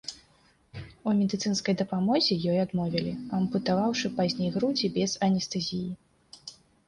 У медыцынскай дапамозе ёй адмовілі, ампутаваўшы пазней грудзі без анестэзіі.